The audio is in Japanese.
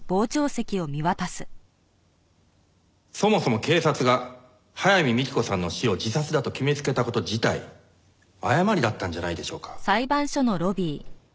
そもそも警察が早見幹子さんの死を自殺だと決めつけた事自体誤りだったんじゃないでしょうか。